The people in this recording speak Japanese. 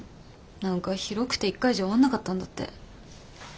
何か広くて１回じゃ終わんなかったんだって。